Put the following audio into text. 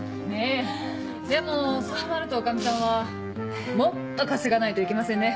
でもそうなると女将さんはもっと稼がないといけませんね。